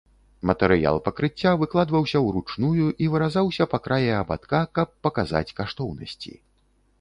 Матэрыял пакрыцця выкладваўся ўручную і выразаўся па краі абадка, каб паказаць каштоўнасці.